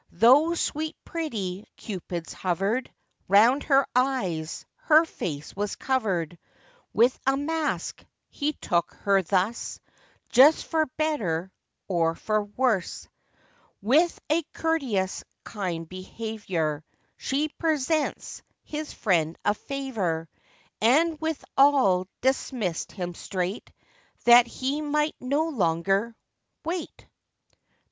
Though sweet pretty Cupids hovered Round her eyes, her face was covered With a mask,—he took her thus, Just for better or for worse. With a courteous kind behaviour, She presents his friend a favour, And withal dismissed him straight, That he might no longer wait.